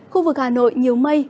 khu vực hà nội nhiều mây